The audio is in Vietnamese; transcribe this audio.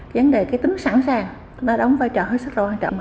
vấn đề cái tính sẵn sàng đã đóng vai trò rất là quan trọng